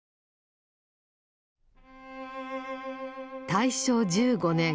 大正１５年。